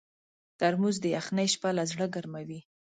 ترموز د یخنۍ شپه له زړه ګرمووي.